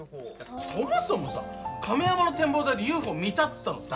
そもそもさ亀山の展望台でＵＦＯ見たっつったの誰？